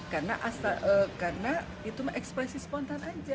karena itu ekspresi spontan saja